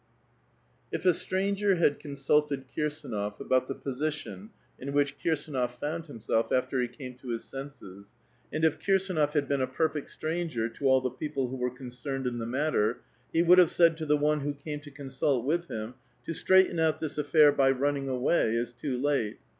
If a stranger bad consulted Kirsdnof about tbe position in Tirhieb Kirsdnof found bimself after be came to bis senses, and if Kirsdnof bad been a perfect stranger to uii tbe people wbo were concerned in tbe matter, he would bave said to tbe one wbo came to consult witii bim :^^ To straighten out tbis afifair by running away is too late.